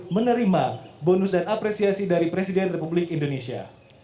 menerima bonus dan apresiasi dari presiden republik indonesia